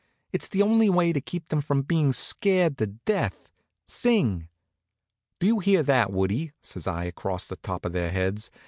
"It's the only way to keep them from being scared to death. Sing!" "Do you hear that, Woodie?" says I across the top of their heads.